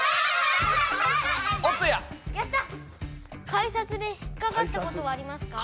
改札で引っかかったことはありますか？